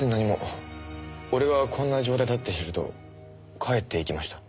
俺がこんな状態だって知ると帰っていきました。